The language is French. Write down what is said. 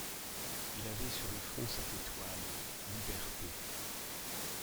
Il avait sur le front cette étoile, Liberté.